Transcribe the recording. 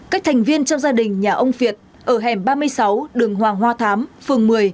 các thành viên trong gia đình nhà ông việt ở hẻm ba mươi sáu đường hoàng hoa thám phường một mươi